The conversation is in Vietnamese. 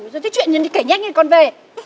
rồi cái chuyện nhấn đi kể nhanh ngay con về